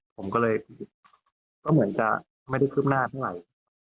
ผมก็เลยก็เหมือนจะไม่ได้คืบหน้าเท่าไหร่